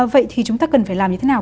vậy thì chúng ta cần phải làm như thế nào